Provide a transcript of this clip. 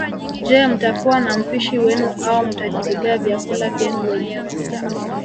Je mtakuwa na mpishi wenu au mtajibebea vyakula vyenu wenyewe